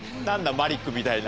マリックみたいな。